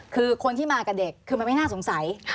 คือคนที่มากับเด็กคือมันไม่น่าสงสัย